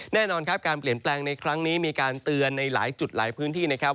แน่นอนครับการเปลี่ยนแปลงในครั้งนี้มีการเตือนในหลายจุดหลายพื้นที่นะครับ